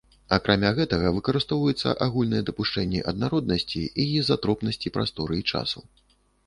Акрамя гэтага выкарыстоўваюцца агульныя дапушчэнні аднароднасці і ізатропнасці прасторы і часу.